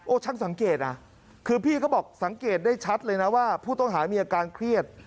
ช่างสังเกตนะคือพี่เขาบอกสังเกตได้ชัดเลยนะว่าผู้ต้องหามีอาการเครียด